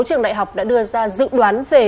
trường đại học đã đưa ra dự đoán về